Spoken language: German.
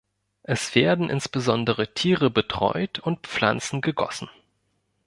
Es werden insbesondere Tiere betreut und Pflanzen gegossen.